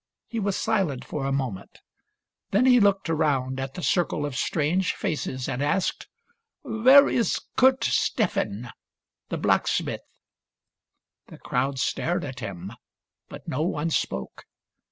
He was silent for a moment ; then he looked around at the circle of strange faces and asked, "Where is Kurt Steffen, the black smith ?" The crowd stared at him, but no one spoke.